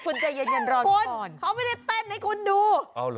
คุณใจเย็นรอนก่อนเค้าไม่ได้เต้นให้คุณดูเอ้าเหรอ